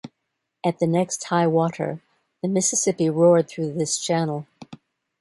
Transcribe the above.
At the next high water, the Mississippi roared through this channel.